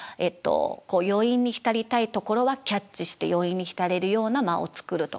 余韻に浸りたいところはキャッチして余韻に浸れるような間を作るとか。